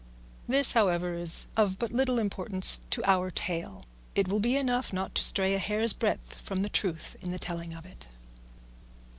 This, however, is of but little importance to our tale; it will be enough not to stray a hair's breadth from the truth in the telling of it.